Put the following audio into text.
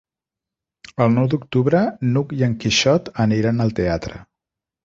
El nou d'octubre n'Hug i en Quixot aniran al teatre.